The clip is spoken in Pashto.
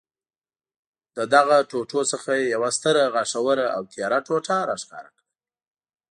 له دغو ټوټو څخه یې یوه ستره، غاښوره او تېره ټوټه را ښکاره کړل.